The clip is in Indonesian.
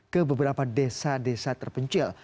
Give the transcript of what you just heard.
ke beberapa desa desa terpencil